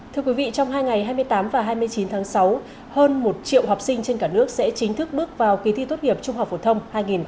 thưa quý vị trong hai ngày hai mươi tám và hai mươi chín tháng sáu hơn một triệu học sinh trên cả nước sẽ chính thức bước vào kỳ thi tốt nghiệp trung học phổ thông hai nghìn hai mươi